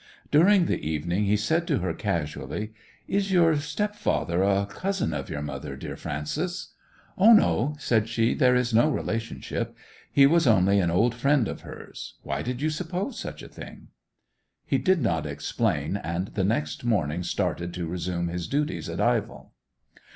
During the evening he said to her casually: 'Is your step father a cousin of your mother, dear Frances?' 'Oh, no,' said she. 'There is no relationship. He was only an old friend of hers. Why did you suppose such a thing?' He did not explain, and the next morning started to resume his duties at Ivell.